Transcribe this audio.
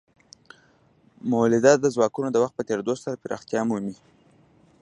مؤلده ځواکونه د وخت په تیریدو سره پراختیا مومي.